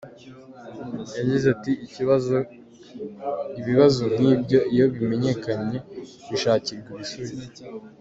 Yagize ati "Ibibazo nk’ibyo iyo bimenyekanye bishakirwa ibisubizo.